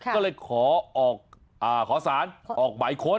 ก็เลยขอสารออกหมายค้น